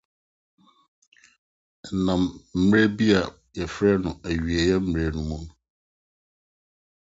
Ɛnam bere bi a wɔfrɛ no awiei mmere no mu.